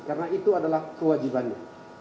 karena itu adalah kewajibannya